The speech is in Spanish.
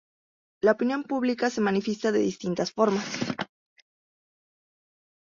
La opinión pública se manifiesta de distintas formas.